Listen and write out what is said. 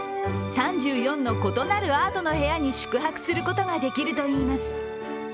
３４の異なるアートの部屋に宿泊することができるといいます。